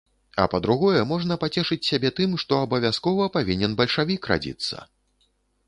А па-другое, можна пацешыць сябе тым, што абавязкова павінен бальшавік радзіцца!